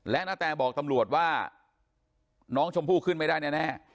และนาแตบอกตำรวจว่าน้องชมพู่ขึ้นไม่ได้แน่